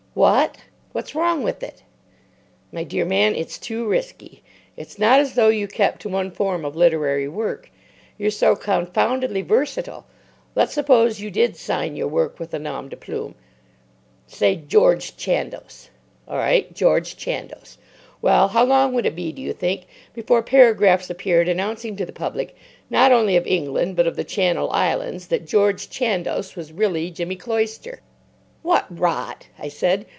"What! What's wrong with it?" "My dear man, it's too risky. It's not as though you kept to one form of literary work. You're so confoundedly versatile. Let's suppose you did sign your work with a nom de plume." "Say, George Chandos." "All right. George Chandos. Well, how long would it be, do you think, before paragraphs appeared, announcing to the public, not only of England but of the Channel Islands, that George Chandos was really Jimmy Cloyster?" "What rot!" I said.